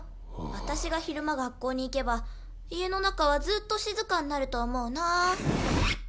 私が昼間学校に行けば家の中はずっと静かになると思うな。